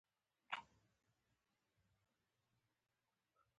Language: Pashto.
غوږونه د توازن په ساتلو کې مرسته کوي